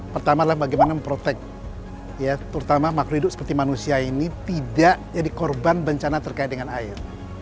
pertama adalah bagaimana memprotek terutama makridu seperti manusia ini tidak jadi korban bencana terkait dengan air